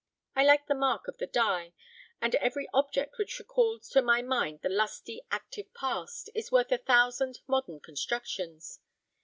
I like the mark of the die; and every object which recalls to my mind the lusty, active past, is worth a thousand modern constructions.